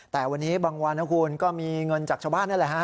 แต่วันนี้บางวันนะคุณก็มีเงินจากชาวบ้านนั่นแหละฮะ